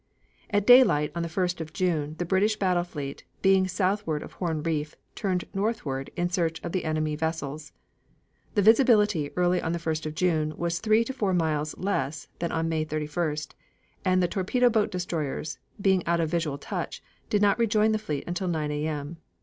At daylight on the 1st of June the British battle fleet, being southward of Horn Reef, turned northward in search of the enemy vessels. The visibility early on the first of June was three to four miles less than on May 31st, and the torpedo boat destroyers, being out of visual touch, did not rejoin the fleet until 9 A.M.